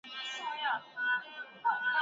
انسان پخپلو دوستانو کي څوک ټاکي؟